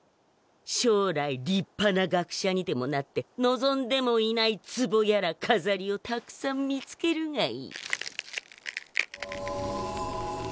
将来立派な学者にでもなって望んでもいないツボやらかざりをたくさん見つけるがいい。